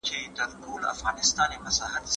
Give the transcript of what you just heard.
ایا تاسو د څېړني په علمي پړاوونو پوهېږئ؟